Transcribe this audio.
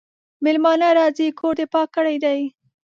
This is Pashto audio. مېلمانه راځي کور دي پاک کړی دی؟